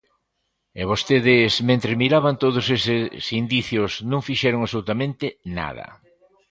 E vostedes, mentres miraban todos estes indicios, non fixeron absolutamente nada.